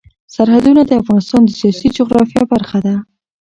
سرحدونه د افغانستان د سیاسي جغرافیه برخه ده.